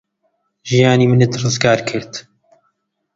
ژیانی منت ڕزگار کرد.